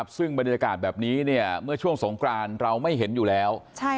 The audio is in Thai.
ซึ่งบรรยากาศแบบนี้เมื่อช่วงสงกรานเราไม่เห็นอยู่แล้ว